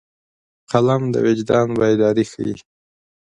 قلم د وجدان بیداري ښيي